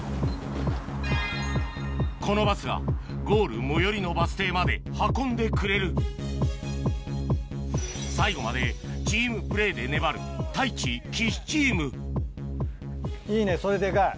このバスがゴール最寄りのバス停まで運んでくれる最後までチームプレーで粘る太一・岸チームいいねそれデカい。